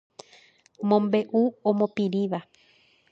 Mombe'u omopirĩva.